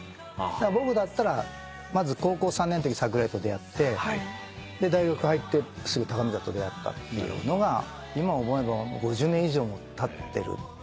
僕だったらまず高校３年のとき桜井と出会って大学入ってすぐ高見沢と出会ったっていうのが今思えば５０年以上もたってるんですからね。